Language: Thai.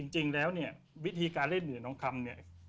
จริงแล้วเนี่ยวิธีการเล่นเหนือน้องคำเนี่ย